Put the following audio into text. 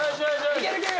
いけるいける！